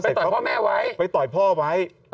ต่อยพ่อแม่ไว้ไปต่อยพ่อไว้